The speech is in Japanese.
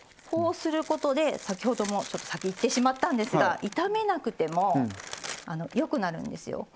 こうすることで先ほどもちょっと先言ってしまったんですが炒めなくてもよくなるんですよ。